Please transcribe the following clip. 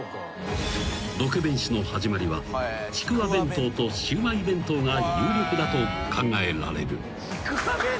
［ロケ弁史の始まりはちくわ弁当とシウマイ弁当が有力だと考えられる］